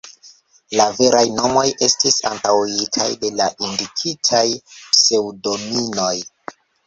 La veraj nomoj estis anstataŭitaj de la indikitaj pseŭdonimoj.